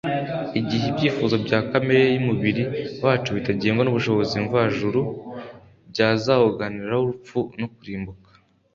igihe ibyifuzo bya kamere y'umubiri wacu bitagengwa n'ubushobozi mvajuru byazawuzanira urupfu no kurimbuka